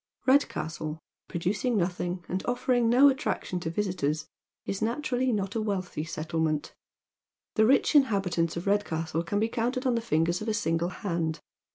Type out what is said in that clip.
Redcastle, producing nothing, and offering no attraction to visitors, is naturally not a wealtliy settlement. The rich inhabi tants of Redcastle can be counted on the fingers of a single hand.